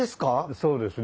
そうですね。